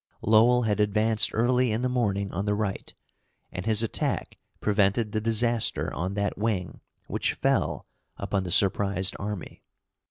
Lowell had advanced early in the morning on the right, and his attack prevented the disaster on that wing which fell upon the surprised army.